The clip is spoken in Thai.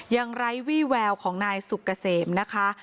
ไร้วี่แววของนายสุกเกษมนะคะ